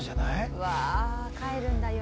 うわー帰るんだ夜。